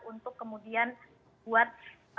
untuk kemudian buat